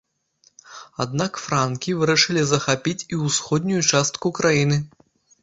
Аднак франкі вырашылі захапіць і ўсходнюю частку краіны.